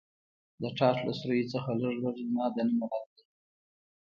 د ټاټ له سوریو څخه لږ لږ رڼا دننه راتله.